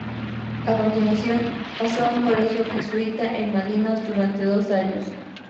A continuación, pasó a un colegio jesuita en Malinas durante dos años.